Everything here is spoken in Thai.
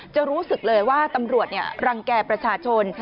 จะรู้สึกเลยว่าตำรวจรังแก่ประชาชน